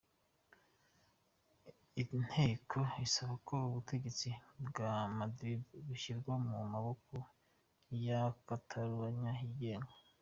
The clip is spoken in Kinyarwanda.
Inteko isaba ko ubutegetsi bwa Madrid bushyirwa mu maboko ya Katalunya yigenga.